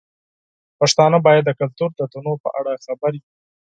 پښتانه باید د کلتور د تنوع په اړه خبر وي.